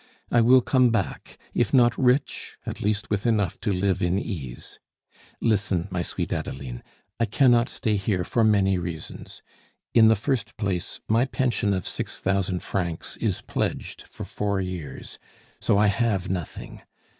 I will come back, if not rich, at least with enough to live in ease. Listen, my sweet Adeline, I cannot stay here for many reasons. In the first place, my pension of six thousand francs is pledged for four years, so I have nothing.